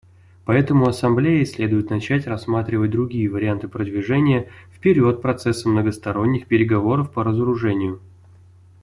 Поэтому Ассамблее следует начать рассматривать другие варианты продвижения вперед процесса многосторонних переговоров по разоружению.